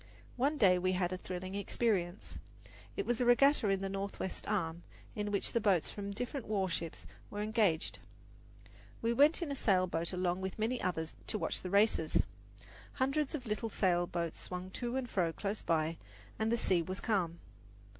One day we had a thrilling experience. There was a regatta in the Northwest Arm, in which the boats from the different warships were engaged. We went in a sail boat along with many others to watch the races. Hundreds of little sail boats swung to and fro close by, and the sea was calm.